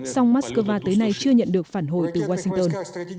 song moscow tới nay chưa nhận được phản hồi từ washington